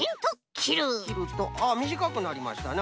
きるとあっみじかくなりましたな